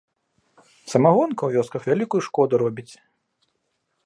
Самагонка ў вёсках вялікую шкоду робіць.